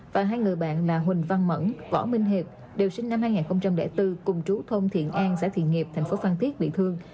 và hai người bạn là huỳnh văn mẫn võ minh hiệp đều sinh năm hai nghìn bốn cùng trú thôn thiện an xã thiện nghiệp thành phố phan thiết bị thương